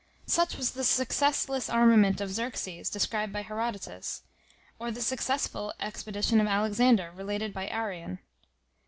Such was the successless armament of Xerxes described by Herodotus, or the successful expedition of Alexander related by Arrian.